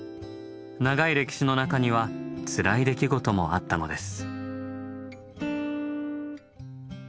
長い歴史の中にはつらい出来事もあったのです。